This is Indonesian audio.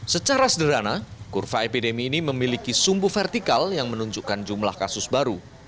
secara sederhana kurva epidemi ini memiliki sumbu vertikal yang menunjukkan jumlah kasus baru